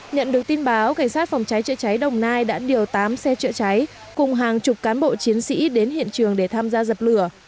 nhận được tin báo cảnh sát phòng cháy chữa cháy đồng nai đã điều tám xe chữa cháy cùng hàng chục cán bộ chiến sĩ đến hiện trường để tham gia dập lửa